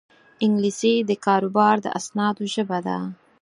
انګلیسي د کاروبار د اسنادو ژبه ده